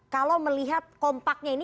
kalau melihat kompaknya ini